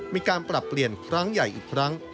มีการปรับเปลี่ยนครั้งใหญ่อีกครั้ง